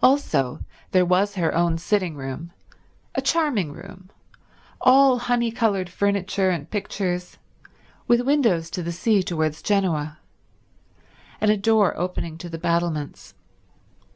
Also there was her own sitting room, a charming room, all honey coloured furniture and pictures, with windows to the sea towards Genoa, and a door opening on to the battlements.